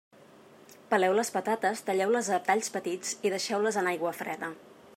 Peleu les patates, talleu-les a talls petits i deixeu-les en aigua freda.